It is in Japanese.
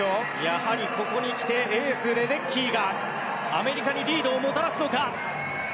やはりここに来てエースのレデッキーがアメリカにリードをもたらすのか。